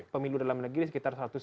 pemilu dalam negeri sekitar